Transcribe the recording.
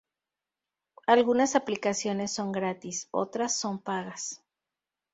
Algunas aplicaciones son gratis, otras son pagas.